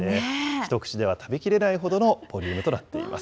ひとくちでは食べきれないほどのボリュームとなっています。